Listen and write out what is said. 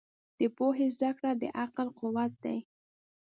د پوهې زده کړه د عقل قوت دی.